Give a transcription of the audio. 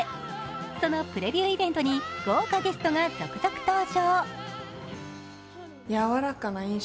そのプレビューイベントに豪華ゲストが続々登場。